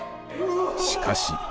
しかし。